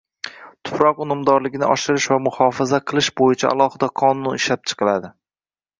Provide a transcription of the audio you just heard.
Tuproq unumdorligini oshirish va muhofaza qilish bo‘yicha alohida qonun ishlab chiqiladi.